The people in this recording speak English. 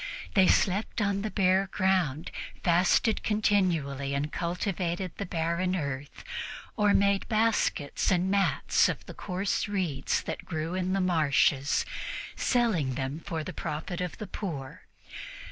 They slept on the bare ground, fasted continually and cultivated the barren earth or made baskets and mats of the coarse reeds that grew in the marshes, selling them for the profit of the poor.